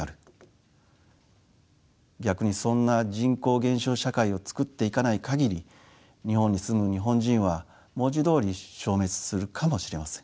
逆にそんな人口減少社会をつくっていかない限り日本に住む日本人は文字どおり消滅するかもしれません。